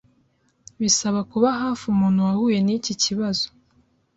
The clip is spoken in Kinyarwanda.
Bisaba kuba hafi umuntu wahuye n’iki kibazo